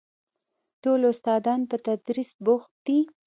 ټول استادان په تدريس بوخت دي.